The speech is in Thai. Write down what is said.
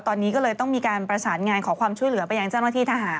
ตอนนี้ก็เลยต้องมีการประสานงานขอความช่วยเหลือไปยังเจ้าหน้าที่ทหาร